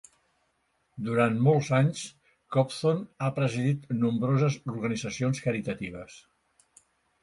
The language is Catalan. Durant molts anys, Kobzon ha presidit nombroses organitzacions caritatives.